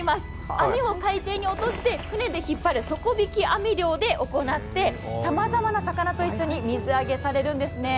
網を海底に落として船で引っ張る底引き網漁で行ってさまざまな魚と一緒に水揚げされるんですね。